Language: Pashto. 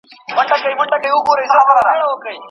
هر انسان یو ډول هويت او شخصیت غواړي.